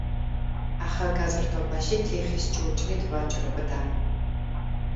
ახალგაზრდობაში თიხის ჭურჭლით ვაჭრობდა.